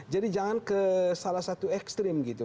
jadi jangan ke salah satu ekstrim gitu